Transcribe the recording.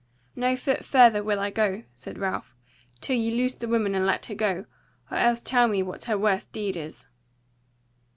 "No foot further will I go," said Ralph, "till ye loose the woman and let her go; or else tell me what her worst deed is."